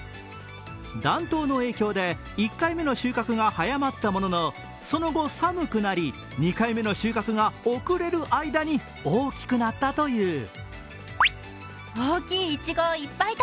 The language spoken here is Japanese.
暖冬の影響で１回目の収穫が早まったもののその後、寒くなり２回目の収穫が遅れる間に大きくなったという。